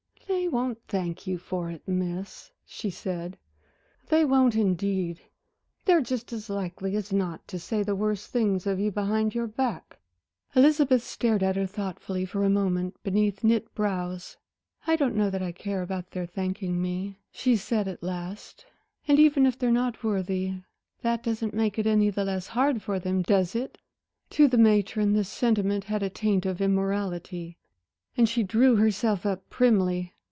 "They won't thank you for it, Miss," she said "they won't indeed. They're just as likely as not to say the worst things of you behind your back." Elizabeth stared at her thoughtfully for a moment beneath knit brows. "I don't know that I care about their thanking me," she said at last, "and even if they're not worthy, that doesn't make it any the less hard for them, does it?" To the matron this sentiment had a taint of immorality and she drew herself up primly.